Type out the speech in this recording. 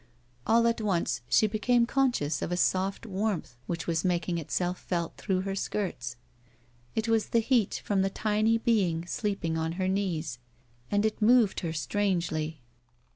All at once she became conscious of a soft warmth which was making itself felt through her skirts ; it was the heat from the tiny being sleeping on her knees, and it moved her strangely.